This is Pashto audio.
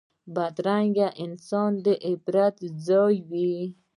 بدرنګه انسان د عبرت ځای وي